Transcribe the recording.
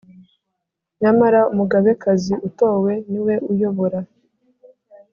Nyamara Umugabekazi utowe niwe uyobora